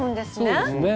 そうですね。